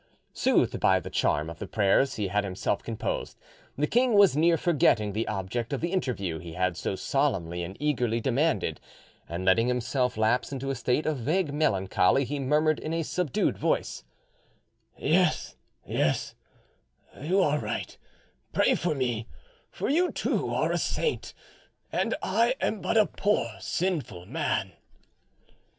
Soothed by the charm of the prayers he had himself composed, the king was near forgetting the object of the interview he had so solemnly and eagerly demanded and letting himself lapse into a state of vague melancholy, he murmured in a subdued voice, "Yes, yes, you are right; pray for me, for you too are a saint, and I am but a poor sinful man."